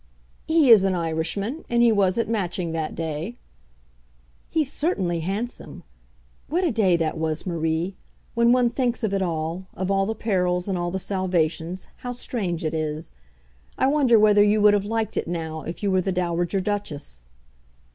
"He is an Irishman, and he was at Matching, that day." "He's certainly handsome. What a day that was, Marie! When one thinks of it all, of all the perils and all the salvations, how strange it is! I wonder whether you would have liked it now if you were the Dowager Duchess."